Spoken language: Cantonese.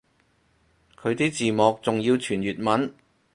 佢啲字幕仲要全粵文